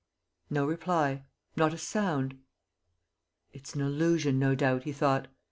No reply. Not a sound. "It's an illusion, no doubt," he thought.